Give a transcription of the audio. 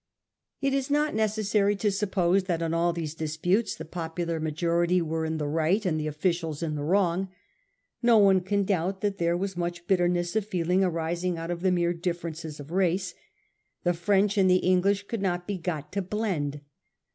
It is not necessary to suppose that in all these disputes the popular majority were in the right and the officials in the wrong. No one can doubt that there was much bitterness of feel ing arising out of the mere differences of race. The French and the English could not be got to blend.